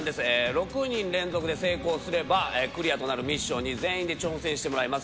６人連続で成功すればクリアとなるミッションに全員で挑戦してもらいます。